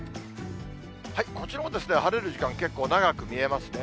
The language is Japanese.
こちらも晴れる時間、結構長く見えますね。